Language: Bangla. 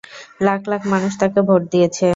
লাখ লাখ মানুষ তাকে ভোট দিয়েছে।